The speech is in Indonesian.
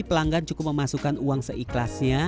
pelanggan cukup memasukkan uang seikhlasnya